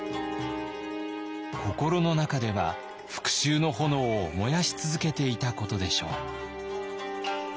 心の中では復しゅうの炎を燃やし続けていたことでしょう。